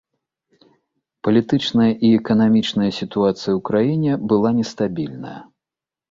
Палітычная і эканамічная сітуацыя ў краіне была нестабільная.